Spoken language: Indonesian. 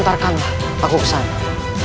biar kan lah aku kesana